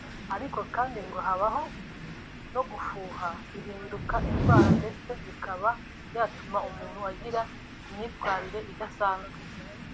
ariko kandi ngo habaho no gufuha bihinduka indwara ndetse bikaba byatuma umuntu agira imyitwarire idasanzwe